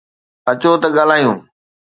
اچو ت ڳالھايون.